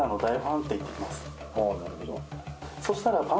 「そしたら」